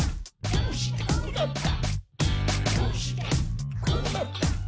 どうしてこうなった？」